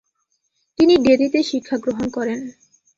তিনি ডেরিতে শিক্ষা গ্রহণ করেন।